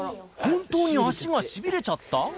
本当に足がしびれちゃった？